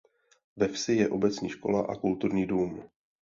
Ve vsi je obecní škola a kulturní dům.